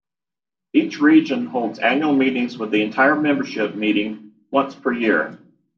Each region holds annual meetings with the entire membership meeting once per year.